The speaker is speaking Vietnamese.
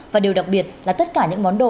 và điều đặc biệt là tất cả những món đồ